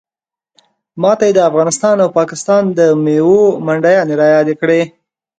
ماته یې د افغانستان او پاکستان د میوو منډیانې رایادې کړې.